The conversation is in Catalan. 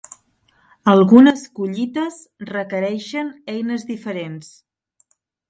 Algunes collites requereixen eines diferents.